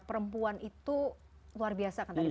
perempuan itu luar biasa